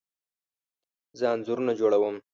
زه انځورونه جوړه وم